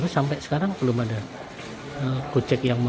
sampai sekarang belum ada gocek yang mau